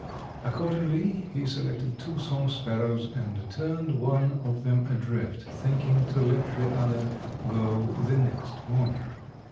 Accordingly he selected two song sparrows and turned one of them adrift, thinking to let the other go the next morning.